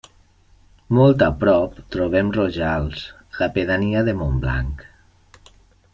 Molt a prop, trobem Rojals, la pedania de Montblanc.